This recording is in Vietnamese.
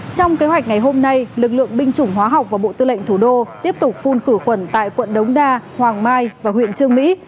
trong kế hoạch ngày hôm nay lực lượng binh chủng hóa học và bộ tư lệnh thủ đô tiếp tục phun khử khuẩn tại quận đống đa hoàng mai và huyện trương mỹ